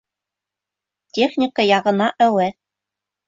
Техника яғына әүәҫ.